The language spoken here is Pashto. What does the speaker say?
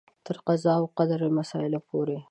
تر قضا او قدر مسایلو پورې و.